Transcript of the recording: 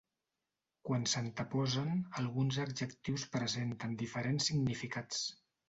Quan s'anteposen, alguns adjectius presenten diferents significats.